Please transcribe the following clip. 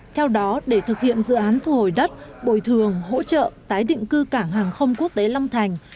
theo đó để thực hiện dự án thu hồi đất bồi thường hỗ trợ tái định cư cảng hàng không quốc tế long thành